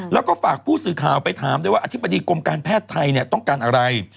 แล้วก็ฝากผู้สื่อข่าวไปถามด้วยว่าอธิบดีกรมการแพทย์ไทยต้องการอะไร